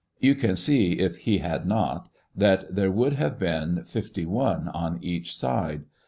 You can see if he had not, that there would have been fifty one on each side.